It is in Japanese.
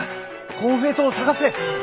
コンフェイトを探せ。